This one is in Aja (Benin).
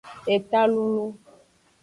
Eta lulun.